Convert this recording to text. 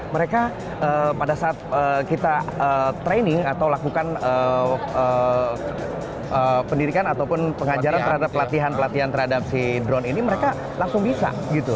mereka pada saat kita training atau lakukan pendidikan ataupun pengajaran terhadap pelatihan pelatihan terhadap si drone ini mereka langsung bisa gitu